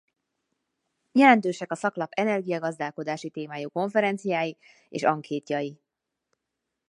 Jelentősek a szaklap energiagazdálkodási témájú konferenciái és ankétjai.